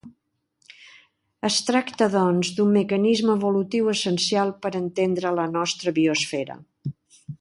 Es tracta doncs d’un mecanisme evolutiu essencial per entendre la nostra biosfera.